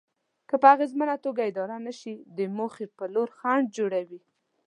که په اغېزمنه توګه اداره نشي د موخې په لور خنډ جوړوي.